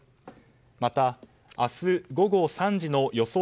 また明日午後３時の予想